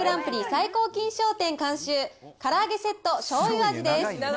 最高金賞店監修から揚げセットしょうゆ味です。